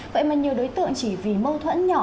vậy mà nhiều đối tượng chỉ vì mâu thuẫn nhỏ